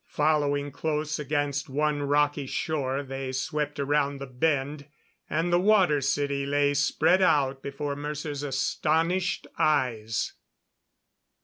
Following close against one rocky shore, they swept around the bend, and the Water City lay spread out before Mercer's astonished eyes.